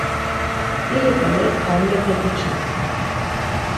İri ǩale tamlepe diçanu.